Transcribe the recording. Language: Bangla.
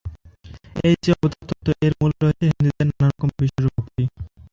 এই যে অবতারতত্ত্ব এর মূলে রয়েছে হিন্দুদের নানারকম বিশ্বাস ও ভক্তি।